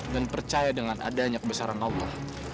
dan percaya dengan adanya kebesaran allah